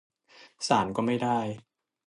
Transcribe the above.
ศาลก็ไม่ได้